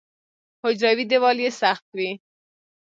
حجروي دیوال یې سخت وي.